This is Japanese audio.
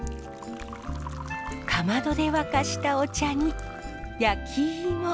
かまどで沸かしたお茶に焼きいも。